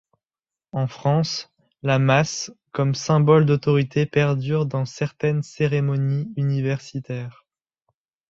En France, la masse comme symbole d’autorité perdure dans certaines cérémonies universitaires.